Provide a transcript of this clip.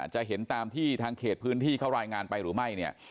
จะเห็นตามที่ทางเขตพื้นที่เขารายงานไปหรือไม่เนี่ย